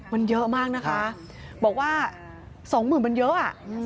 มันเยอะมากนะคะบอกว่าสองหมื่นมันเยอะอ่ะ